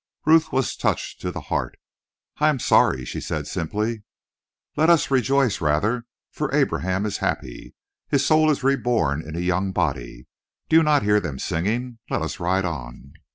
Ruth was touched to the heart. "I am sorry," she said simply. "Let us rejoice, rather, for Abraham is happy. His soul is reborn in a young body. Do you not hear them singing? Let us ride on."